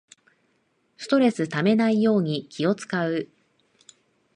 ストレスためないように気をつかう